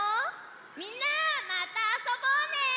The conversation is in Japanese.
みんなまたあそぼうね！